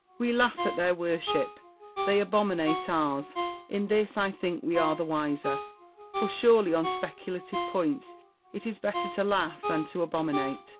We laugh at their worship : they abominate ours. In this I think we are the wiser ; for surely on speculative points it is better to laugh than to abominate.